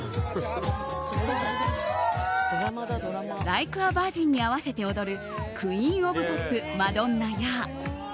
「ライク・ア・ヴァージン」に合わせて踊るクイーン・オブ・ポップマドンナや。